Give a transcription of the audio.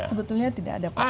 sebetulnya tidak ada pak